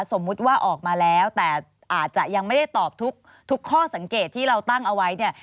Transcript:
สมมุติว่าออกมาแล้วแต่อาจจะยังไม่ได้ตอบทุกข้อสังเกตที่เราตั้งเอาไว้เนี่ย